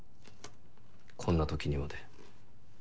こんな時にまで。